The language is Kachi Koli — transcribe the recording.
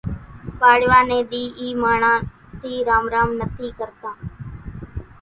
پاڙوا ني ۮِي اِي ماڻۿان ٿي رام رام نٿي ڪرتان